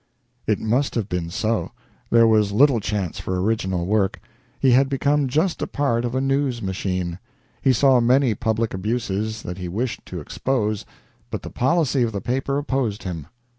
It must have been so. There was little chance for original work. He had become just a part of a news machine. He saw many public abuses that he wished to expose, but the policy of the paper opposed him.